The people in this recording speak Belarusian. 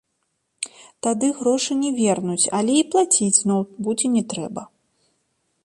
Тады грошы не вернуць, але і плаціць зноў будзе не трэба.